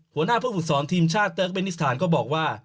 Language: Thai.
หัวหน้าผู้ฝึกสอนทีมชาติเติร์กเบนิสถานก็บอกว่า